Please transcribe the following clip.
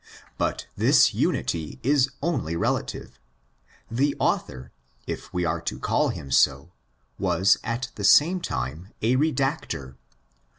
But this unity is only relative. The author—if we are to call him so—was at the same time a redactor.